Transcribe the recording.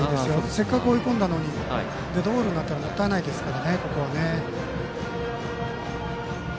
せっかく追い込んだのにデッドボールになったらもったいないですから。